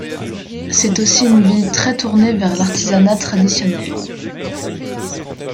C'est aussi une ville très tournée vers l'artisanat traditionnel.